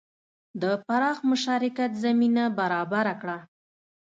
د پراخ مشارکت زمینه برابره کړه.